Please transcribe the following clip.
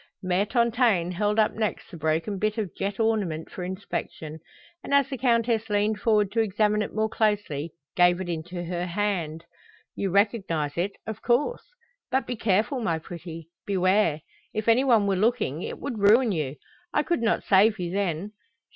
Mère Tontaine held up next the broken bit of jet ornament for inspection, and as the Countess leaned forward to examine it more closely, gave it into her hand. "You recognize it, of course. But be careful, my pretty! Beware! If any one were looking, it would ruin you. I could not save you then.